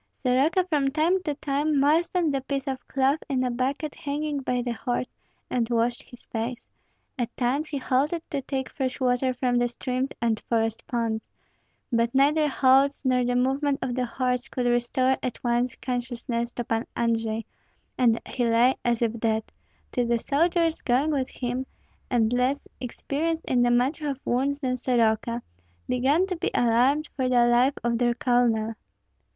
Soroka from time to time moistened the piece of cloth in a bucket hanging by the horse, and washed his face; at times he halted to take fresh water from the streams and forest ponds; but neither halts nor the movement of the horse could restore at once consciousness to Pan Andrei, and he lay as if dead, till the soldiers going with him, and less experienced in the matter of wounds than Soroka, began to be alarmed for the life of their colonel.